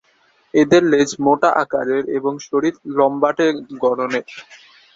এদের লেজ মোটা আকারের এবং শরীর লম্বাটে গড়নের।